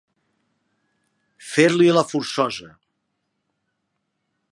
Fer-li la forçosa.